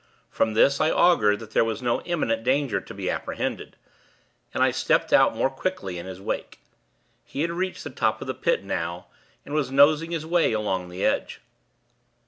From this, I augured that there was no imminent danger to be apprehended, and I stepped out more quickly in his wake. He had reached the top of the Pit, now, and was nosing his way along the edge.